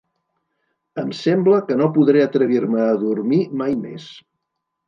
Em sembla que no podré a trevirme a dormir mai més!